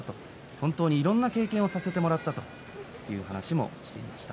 本当にいろんな経験をさせてもらったという話を本人していました。